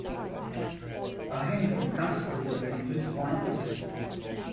Behind him a constable gripped invisible ankles.